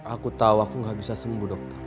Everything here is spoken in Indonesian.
aku tahu aku gak bisa sembuh dokter